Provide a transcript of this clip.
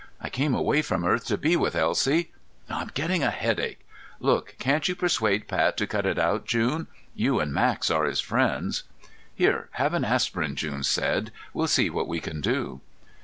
"I came away from Earth to be with Elsie.... I'm getting a headache. Look, can't you persuade Pat to cut it out, June? You and Max are his friends." "Here, have an aspirin," June said. "We'll see what we can do."